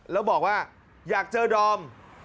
แล้วบอกว่าอยากเจอดอม